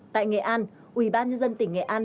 tại nghệ an ủy ban nhân dân tỉnh nghệ an